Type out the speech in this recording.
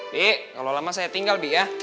bi kalau lama saya tinggal bi ya